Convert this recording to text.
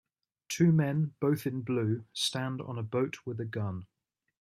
Two men, both in blue, stand on a boat with a gun.